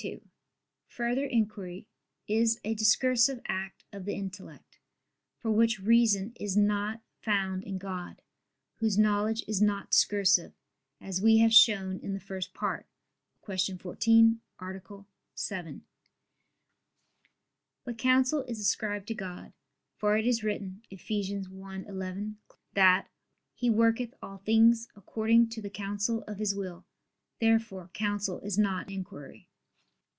2: Further, inquiry is a discursive act of the intellect: for which reason it is not found in God, Whose knowledge is not discursive, as we have shown in the First Part (Q. 14, A. 7). But counsel is ascribed to God: for it is written (Eph. 1:11) that "He worketh all things according to the counsel of His will." Therefore counsel is not inquiry.